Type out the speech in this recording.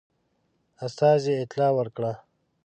استازي اطلاع ورکړه.